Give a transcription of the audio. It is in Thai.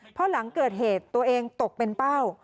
เพราะหลังเกิดเหตุตัวเองตกเป็นเป้า